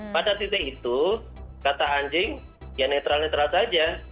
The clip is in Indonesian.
pada titik itu kata anjing ya netral netral saja